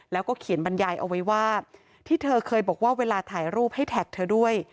แล้วก็เขียนบรรยายเอาไว้ว่าที่เธอเคยบอกว่าเวลาถ่ายรูปให้แท็กเธอด้วย